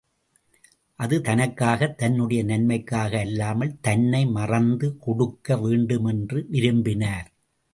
அது தனக்காக தன்னுடைய நன்மைக்காக அல்லாமல் தன்னை மறந்து கொடுக்க வேண்டும் என்று விரும்பினார்.